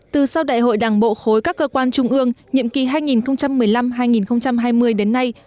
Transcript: từ sau đại hội đảng bộ khối các cơ quan trung ương nhiệm kỳ hai nghìn một mươi năm hai nghìn hai mươi đến nay